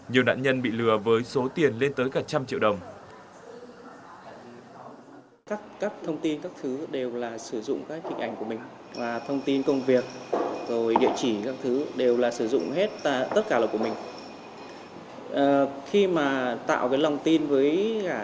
nhiều nạn nhân bị lừa với số tiền lên tới cả trăm triệu đồng